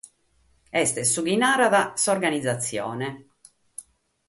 Est su chi narat s'organizatzione.